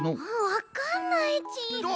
わかんないち。